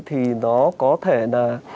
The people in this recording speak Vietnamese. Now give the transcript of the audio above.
thì nó có thể là